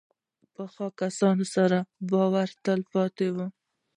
پخو کسانو سره باور تل پاتې وي